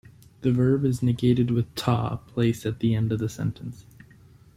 The verb is negated with "ta", placed at the end of the sentence.